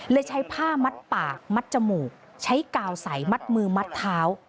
ใช้ผ้ามัดปากมัดจมูกใช้กาวใสมัดมือมัดเท้า